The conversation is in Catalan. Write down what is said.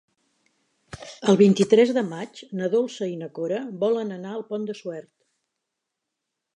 El vint-i-tres de maig na Dolça i na Cora volen anar al Pont de Suert.